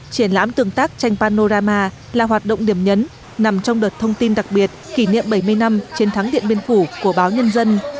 triển lãm tương tác tranh panorama là hoạt động điểm nhấn nằm trong đợt thông tin đặc biệt kỷ niệm bảy mươi năm chiến thắng điện biên phủ của báo nhân dân